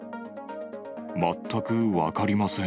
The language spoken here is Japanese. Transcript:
全く分かりません。